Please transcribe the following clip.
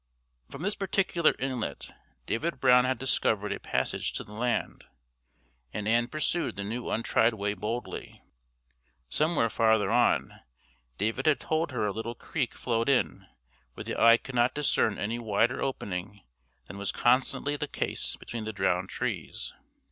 From this particular inlet David Brown had discovered a passage to the land, and Ann pursued the new untried way boldly. Somewhere farther on David had told her a little creek flowed in where the eye could not discern any wider opening than was constantly the case between the drowned trees.